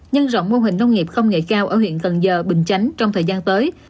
nhân rộng mô hình nông nghiệp công nghệ cao ở huyện cần giờ bình chánh trong thời gian tới